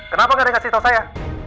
kenapa gak dikasih tau saya